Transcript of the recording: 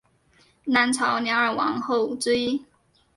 南朝梁二王后之一。